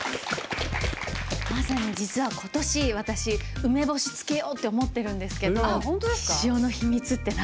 まさに実は今年私梅干し漬けようって思ってるんですけど塩の秘密って何なんですか？